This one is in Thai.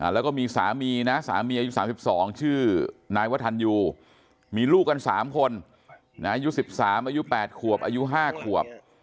แล้วก็มีสามีนะสามีอายุ๓๒ชื่อนายวัฒนยูมีลูกกัน๓คนอายุ๑๓อายุ๘ขวบอายุ๕ขวบ